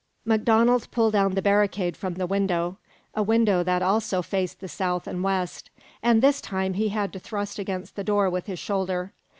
MacDonald pulled down the barricade from the window a window that also faced the south and west, and this time he had to thrust against the door with his shoulder.